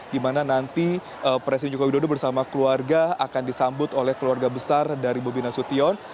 di mana nanti presiden joko widodo bersama keluarga akan disambut oleh keluarga besar dari bobi nasution